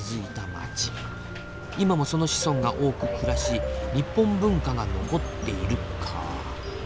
今もその子孫が多く暮らし日本文化が残っている」か。